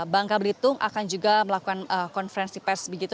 bangka belitung akan juga melakukan konferensi pers begitu